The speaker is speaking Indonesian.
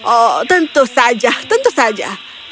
oh tentu saja